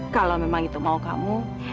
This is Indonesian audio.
kalau memang itu mau kamu